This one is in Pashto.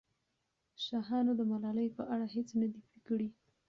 شاهانو د ملالۍ په اړه هېڅ نه دي کړي.